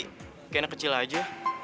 kayak anak kecil aja